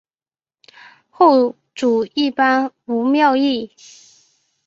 后主一般无庙谥。